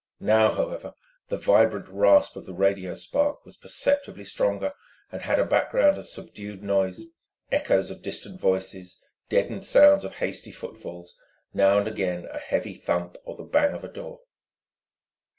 Now, however, the vibrant rasp of the radio spark was perceptibly stronger and had a background of subdued noise, echoes of distant voices, deadened sounds of hasty footfalls, now and again a heavy thump or the bang of a door.